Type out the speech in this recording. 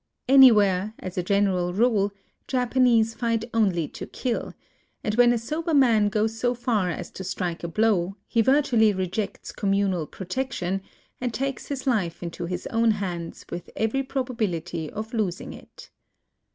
Any where, as a general rule, Japanese fight only to kill ; and when a sober man goes so far as to strike a blow, he virtually rejects communal protection, and takes his life into his own hands with every probability of losing it.